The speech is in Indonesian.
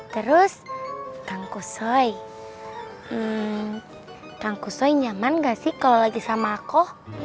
terus kang kusoy kang kusoy nyaman gak sih kalau lagi sama aku